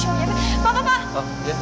saya masih boleh masuk kan pak